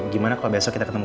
gimana kalau besok kita ketemu